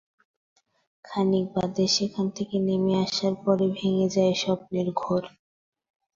খানিক বাদে সেখান থেকে নেমে আসার পরে ভেঙে যায় স্বপ্নের ঘোর।